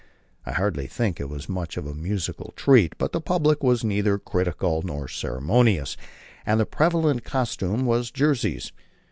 I hardly think it was much of a musical treat; but the public was neither critical nor ceremonious, and the prevalent costume was jerseys.